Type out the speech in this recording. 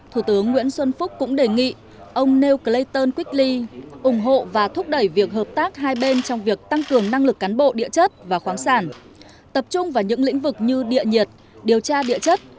thủ tướng nguyễn xuân phúc cũng đề nghị ông nêu clauton quyết ly ủng hộ và thúc đẩy việc hợp tác hai bên trong việc tăng cường năng lực cán bộ địa chất và khoáng sản tập trung vào những lĩnh vực như địa nhiệt điều tra địa chất